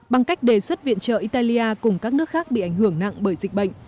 bằng cách đề xuất viện trợ italia cùng các nước khác bị ảnh hưởng nặng bởi dịch bệnh